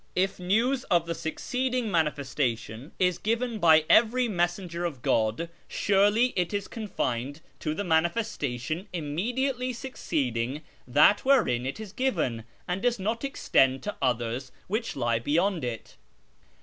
If news of the succeeding ' manifestation ' is given by every messenger of God, surely it is confined to the ' manifestation ' immediately succeeding that wherein it is given, and does not extend to others which lie beyond it.